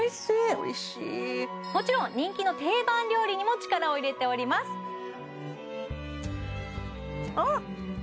おいしいもちろん人気の定番料理にも力を入れておりますあっ！